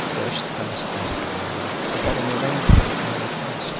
First, I must thank you, Lionel, for having remained here at my request.